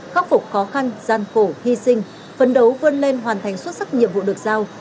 khắc phục khó khăn gian khổ hy sinh phấn đấu vươn lên hoàn thành xuất sắc nhiệm vụ được giao